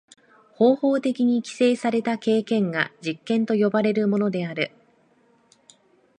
方法的に規制された経験が実験と呼ばれるものである。